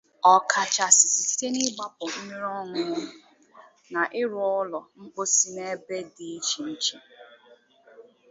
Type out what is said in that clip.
ọkachasị site n'ịgbapu mmiri ọñụñụ na ịrụ ụlọ mposi n'ebe dị iche iche